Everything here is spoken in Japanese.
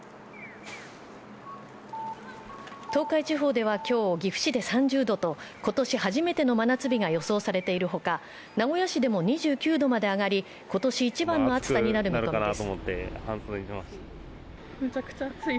東海地方では今日岐阜市で３０度と今年初めての真夏日が予想されているほか、名古屋市でも２９度まで上がり、今年一番の暑さになる見込みです